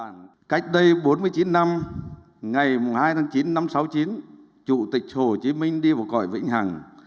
ngày hai tháng chín năm sáu mươi chín chủ tịch hồ chí minh đi vào cõi vĩnh hằng